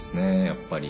やっぱり。